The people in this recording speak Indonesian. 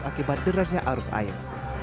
untuk mengurangi arus air